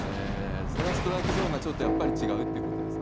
それはストライクゾーンがやっぱり違うっていうことですか？